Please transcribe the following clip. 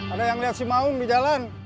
ada yang lihat si maung di jalan